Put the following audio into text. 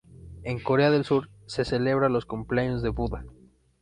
En Corea del Sur, se celebra los cumpleaños de Buda.